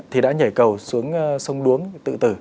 thì đã nhảy cầu xuống sông đuống tự tử